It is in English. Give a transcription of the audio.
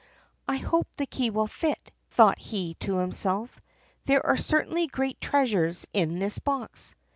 "I hope the key will fit," thought he to himself; "there are certainly great treasures in this box!"